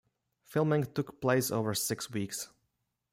Filming took place over six weeks.